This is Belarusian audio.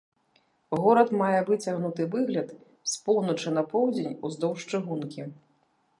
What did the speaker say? Горад мае выцягнуты выгляд з поўначы на поўдзень уздоўж чыгункі.